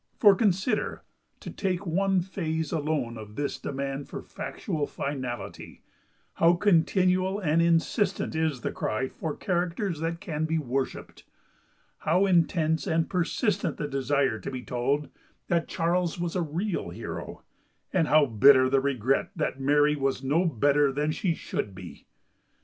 For, consider—to take one phase alone of this demand for factual finality—how continual and insistent is the cry for characters that can be worshipped; how intense and persistent the desire to be told that Charles was a real hero; and how bitter the regret that Mary was no better than she should be!